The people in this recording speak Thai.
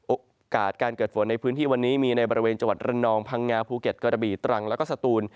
โอกาสการเกิดฝนในพื้นที่วันนี้มีในบริเวณจังหวัดระนองพังงาภูเก็ตกระบีตรังแล้วก็สตูน